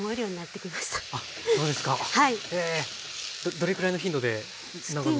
どれくらいの頻度で長野に行かれるんですか？